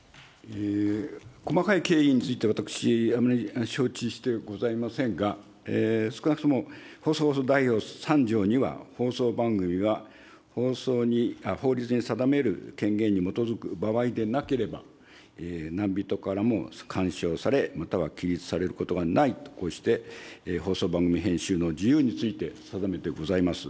細かい経緯について私、あまり承知してございませんが、少なくとも放送法第３条には、放送番組は、法律に定める権限に基づく場合でなければ、何人からも干渉され、または規律されることがないとして、放送番組編集の自由について定めてございます。